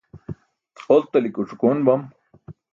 oltalik oc̣ukoon bam